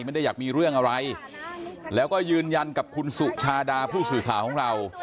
ไม่ได้อยากมีเรื่องอะไรแล้วก็ยืนยันกับคุณสุชาดาผู้สื่อข่าวของเรา